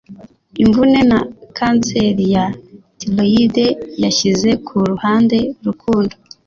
Imvune na kanseri ya tiroyide yashyize ku ruhande Rukundo